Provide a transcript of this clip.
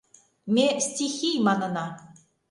Ме «стихий» манына.